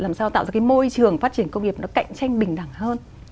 làm sao tạo ra cái môi trường phát triển công nghiệp nó cạnh tranh bình đẳng hơn